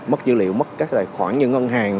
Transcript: mất dữ liệu mất các tài khoản như ngân hàng